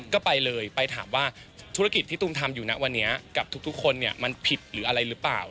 ก็ไปเลยไปถามว่าธุรกิจที่ตุ้มทำอยู่นะวันนี้กับทุกคนเนี่ยมันผิดหรืออะไรหรือเปล่า